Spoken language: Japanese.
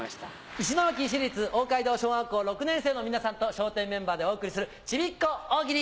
石巻市立大街道小学校６年生の皆さんと笑点メンバーでお送りする「ちびっ子大喜利」。